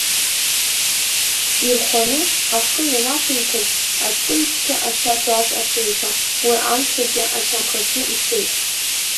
Ирхәаны ахы ианақәиҭыртә, аҽыҩцқьа ашьа злаз аҽеиқәа, уи амцагьы ашьамхахьы ицеит.